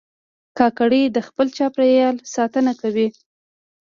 کاکړي د خپل چاپېریال ساتنه کوي.